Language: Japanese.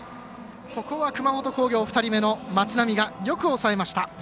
ここは熊本工業、２人目の松波がよく抑えました。